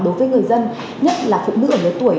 đối với người dân nhất là phụ nữ ở lứa tuổi